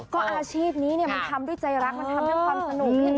ก็อาชีพนี้มันทำด้วยใจรักมันทำด้วยความสนุก